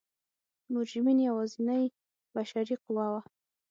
مجرمین یوازینۍ بشري قوه وه.